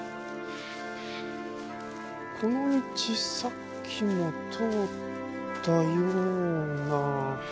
この道さっきも通ったような。